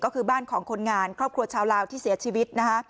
ก็คือบ้านของคนงานครอบครัวชาวลาวที่เสียชีวิตนะคะ